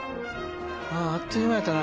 あっという間やったな